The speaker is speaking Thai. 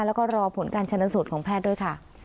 แล้วก็รอผลการชนะสูตรของแพทย์ด้วยค่ะ